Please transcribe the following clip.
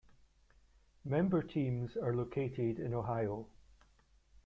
Member teams are located in Ohio.